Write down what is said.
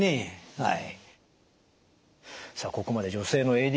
はい。